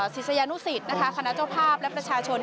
ศิษยานุสิตนะคะคณะเจ้าภาพและประชาชน